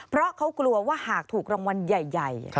เพราะเขากลัวว่าหากถูกรางวัลใหญ่